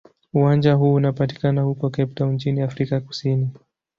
Uwanja huu unapatikana huko Cape Town nchini Afrika Kusini.